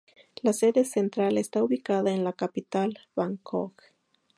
La sede central está ubicada en la capital, Bangkok.